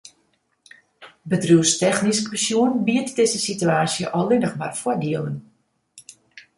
Bedriuwstechnysk besjoen biedt dizze situaasje allinnich mar foardielen.